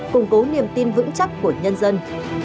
củng cố niềm tin vững chắc của nhân dân